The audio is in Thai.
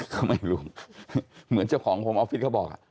ก็ไม่รู้เหมือนเจ้าของโฮมออฟฟิศเขาบอก